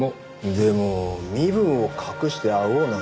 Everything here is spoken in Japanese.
でも身分を隠して会おうなんて。